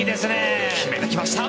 決めてきました。